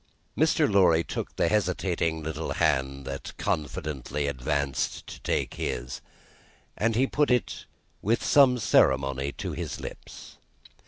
Mr. Lorry took the hesitating little hand that confidingly advanced to take his, and he put it with some ceremony to his lips.